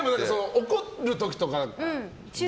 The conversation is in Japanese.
怒る時とかは？